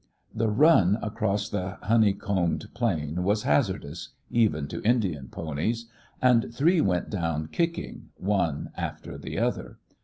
The run across the honey combed plain was hazardous even to Indian ponies and three went down kicking, one after the other.